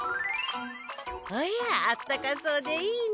おやあったかそうでいいね。